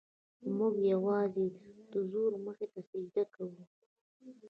موږ یوازې د زور مخې ته سجده کوو.